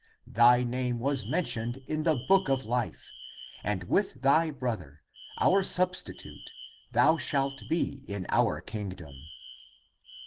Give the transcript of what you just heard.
> Thy name was mentioned in the book of life ^^ And with thy brother <our substitute, thou shalt be> In our kingdom.